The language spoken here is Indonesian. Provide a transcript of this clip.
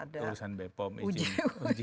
dan harus ada uji